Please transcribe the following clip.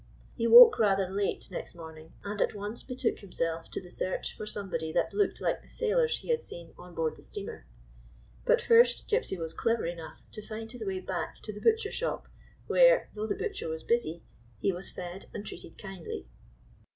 He woke rather late next morning, and at once betook himself to the search for somebody that looked like the sailors he had seen on board the steamer. But first Gypsy was clever enough to find his way back to the butcher shop, where, though the butcher was busy, he was fed and treated kindly.